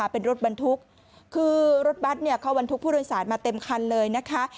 เป็นรถบรรทุกคือรถบัตรเนี่ยเขาบรรทุกผู้โดยสารมาเต็มคันเลยนะคะ